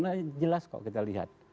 nah jelas kok kita lihat